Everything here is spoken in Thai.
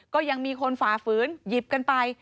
ก็ยังมีคนฝ่าฝืนหยิบกันไป